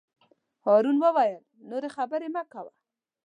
هارون وویل: نورې خبرې مه کوه.